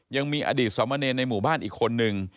ยังมีอดีตสมเนรในหมู่บ้านอีกคนนึง